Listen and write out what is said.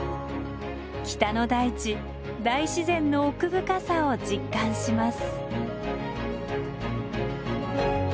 北の大地大自然の奥深さを実感します。